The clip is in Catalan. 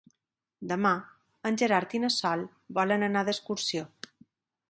Demà en Gerard i na Sol volen anar d'excursió.